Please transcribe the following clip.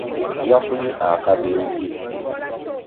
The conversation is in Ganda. Yafunye akabenje.